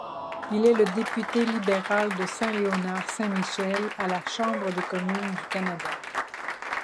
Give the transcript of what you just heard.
Il est le député libéral de Saint-Léonard—Saint-Michel à la Chambre des communes du Canada.